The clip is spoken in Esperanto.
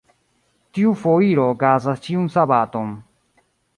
Tiu foiro okazas ĉiun sabaton.